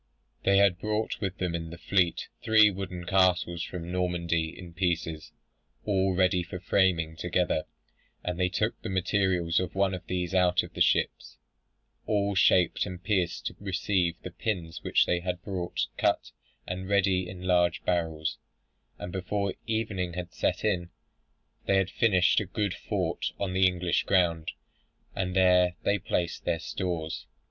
They had brought with them in the fleet, three wooden castles from Normandy, in pieces, all ready for framing together, and they took the materials of one of these out of the ships, all shaped and pierced to receive the pins which they had brought cut and ready in large barrels; and before evening had set in, they had finished a good fort on the English ground, and there they placed their stores.